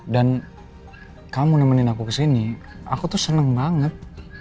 dan kamu nemenin aku ke sini aku tuh seneng banget